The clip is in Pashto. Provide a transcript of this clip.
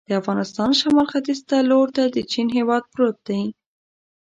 د افغانستان شمال ختیځ ته لور ته د چین هېواد پروت دی.